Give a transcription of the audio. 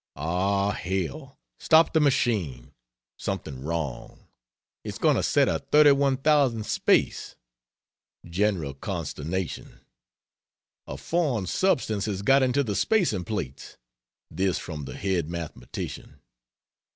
"Oh, hell! stop the machine something wrong it's going to set a 30/1000 space!" General consternation. "A foreign substance has got into the spacing plates." This from the head mathematician.